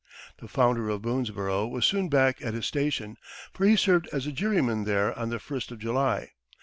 The founder of Boonesborough was soon back at his station, for he served as a juryman there on the first of July.